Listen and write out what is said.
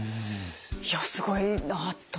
いやすごいなと。